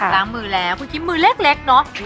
ล้างมือแล้วคุณคิดมือเล็กเนอะ